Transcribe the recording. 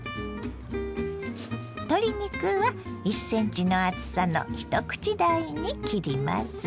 鶏肉は１ｃｍの厚さの一口大に切ります。